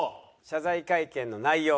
謝罪会見の内容